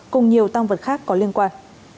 cùng nhiều tăng vật khác có liên quan